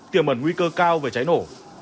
tiềm ẩn nguy cơ cao về cháy nổ